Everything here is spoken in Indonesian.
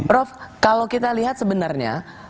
prof kalau kita lihat sebenarnya